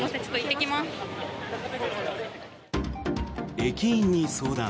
駅員に相談。